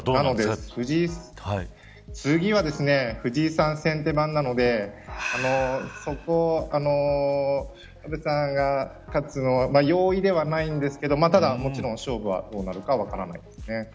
次は藤井さんが先手番なのでそこを羽生さんが勝つのは容易ではないんですけどただ、もちろん勝負はどうなるか分からないですね。